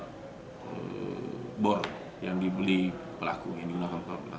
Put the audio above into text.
dan juga barang barang yang dibeli pelaku yang digunakan kantor